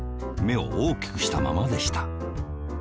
めをおおきくしたままでした。